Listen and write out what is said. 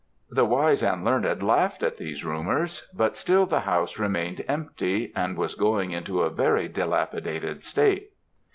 The wise and learned laughed at these rumours; but still the house remained empty, and was getting into a very dilapidated state.